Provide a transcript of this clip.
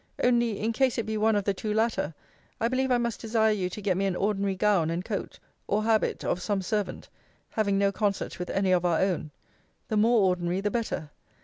Only, in case it be one of the two latter, I believe I must desire you to get me an ordinary gown and coat, or habit, of some servant; having no concert with any of our own: the more ordinary the better.